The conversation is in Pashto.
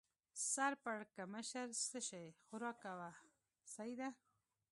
سر پړکمشر: څه شی؟ خوراک کوه، سهي ده.